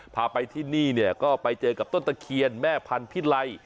พาไปที่นี่เนี่ยก็ไปเจอกับต้นตะเคียนแม่พันธิไล